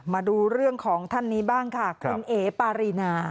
มาดูเรื่องของท่านนี้บ้างค่ะคุณเอ๋ปารีนา